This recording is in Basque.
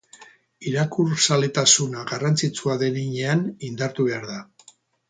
Irakurzaletasuna garrantzitsua den heinean, indartu behar da